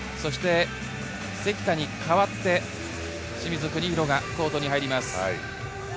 関田に代わって清水邦広がコートに入ります。